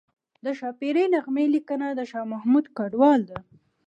د ښاپیرۍ نغمې لیکنه د شاه محمود کډوال ده